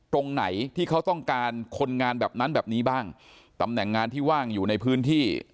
ตรงไหนที่เขาต้องการคนงานแบบนั้นแบบนี้บ้างตำแหน่งงานที่ว่างอยู่ในพื้นที่